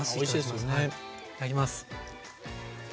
いただきます。